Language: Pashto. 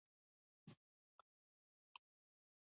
هغه غوښتل چې ساسچن لرې کړي.